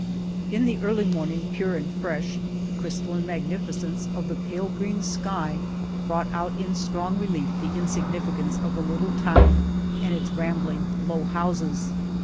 In the early morning, 5 On the Road to Argamasilla pure and fresh, the crystalline magnificence of the pale green sky brought out in strong relief the insignificance of the little town and its rambling low houses.